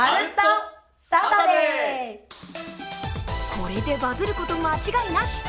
これでバズること間違いなし。